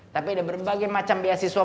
tapi ada berbagai macam beasiswa